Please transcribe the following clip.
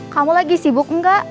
kamu lagi sibuk enggak